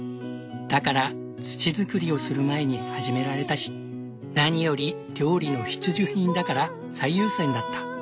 だから土づくりをする前に始められたし何より料理の必需品だから最優先だった。